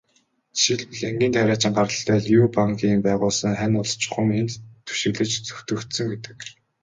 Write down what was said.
Жишээлбэл, энгийн тариачин гаралтай Лю Бангийн байгуулсан Хань улс чухам энд түшиглэж зөвтгөгдсөн гэдэг.